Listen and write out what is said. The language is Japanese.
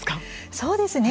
そうですね